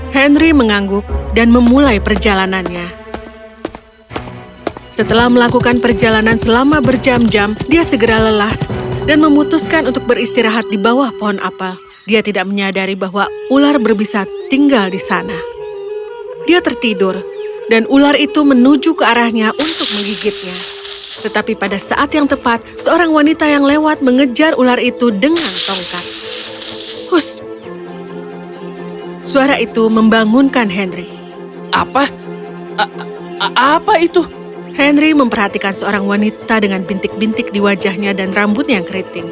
henry memperhatikan seorang wanita dengan bintik bintik di wajahnya dan rambutnya yang keriting